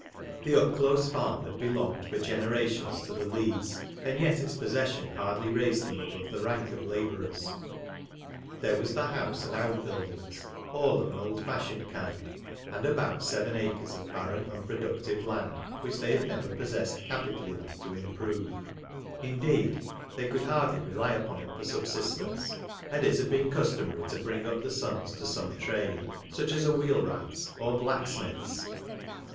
The Upclose Farm had belonged for gene rations to the Leighs ; and yet its possession hardly raised them above "the rank of la bourers. There was the house and out buildings, all of an old fashioned kind, and about seven acres of bai ren unproductive land, which they had never possessed ca pital enough to improve ; indeed they could hardly rely upon it for subsistence ; and it had been customary to bring up the sons to some trade — such as a wheelwright's, or black smith's.